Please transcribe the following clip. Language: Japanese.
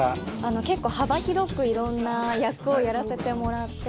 結構幅広くいろんな役をやらせてもらって。